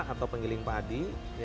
atau pengiling padi